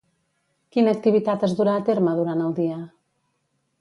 Quina activitat es durà a terme durant el dia?